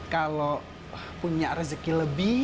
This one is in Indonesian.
kalau punya rezeki lebih